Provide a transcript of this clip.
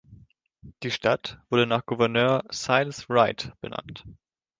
Die Stadt wurde nach Gouverneur Silas Wright benannt.